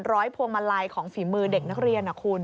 ร้อยพวงมาลัยของฝีมือเด็กนักเรียน